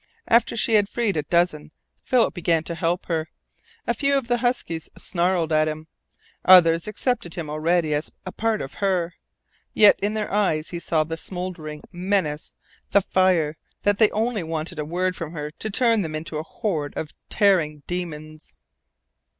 After she had freed a dozen, Philip began to help her. A few of the huskies snarled at him. Others accepted him already as a part of her. Yet in their eyes he saw the smouldering menace, the fire that wanted only a word from her to turn them into a horde of tearing demons.